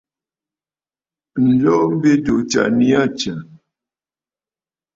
Ǹjoo mbi jù ɨ tsyà nii aa tsyà.